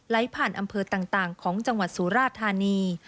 ผ่านอำเภอต่างของจังหวัดสุราธานี